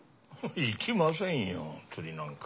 行きませんよ釣りなんか。